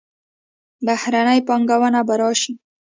بهرنۍ پانګونه به راشي.